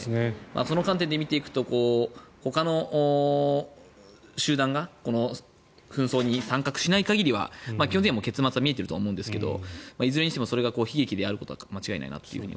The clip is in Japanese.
その観点で見ていくとほかの集団が紛争に参画しない限りは基本的には結末は見えていると思いますがいずれにしても悲劇であることは間違いないかと。